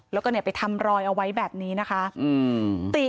แล้วก็ทำรอยเอาไว้แบบนี้